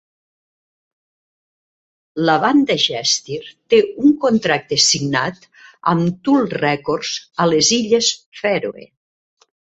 La banda Gestir té un contracte signat amb Tutl Records a les illes Fèroe.